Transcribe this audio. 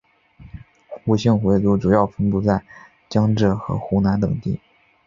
伍姓回族主要分布在江浙和湖南等地。